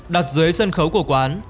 đặt dưới sân khấu của quán